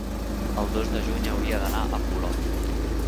El dos de juny hauria d'anar a Polop.